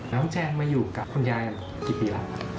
น้องแจนมาอยู่กับคุณยายกี่ปีแล้ว